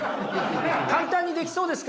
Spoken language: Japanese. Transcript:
簡単にできそうですか？